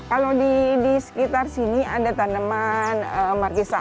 kalau di sekitar sini ada tanaman markisah